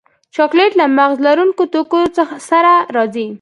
چاکلېټ له مغز لرونکو توکو سره راځي.